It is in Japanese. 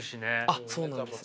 あっそうなんですか。